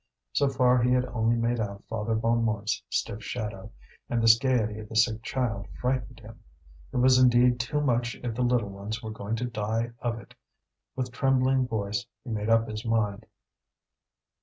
So far he had only made out Father Bonnemort's stiff shadow, and this gaiety of the sick child frightened him. It was indeed too much if the little ones were going to die of it. With trembling voice he made up his mind.